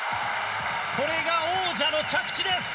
これが王者の着地です。